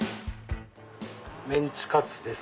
メンチカツです。